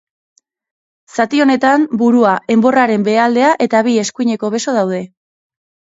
Zati honetan, burua, enborraren behealdea eta bi eskuineko beso daude.